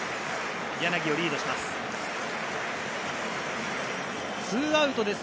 柳をリードします。